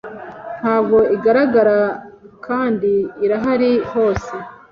ntabwo igaragara kandi irahari hose